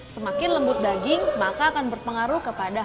semakin lembut daging maka akan berpengaruh kepada